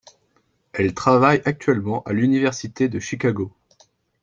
Elle travaille actuellement à l'Université de Chicago.